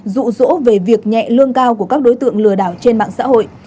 rụ rỗ về việc nhẹ lương cao của các đối tượng lừa đảo trên mạng xã hội